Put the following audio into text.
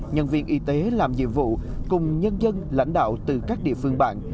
nhân viên y tế làm nhiệm vụ cùng nhân dân lãnh đạo từ các địa phương bạn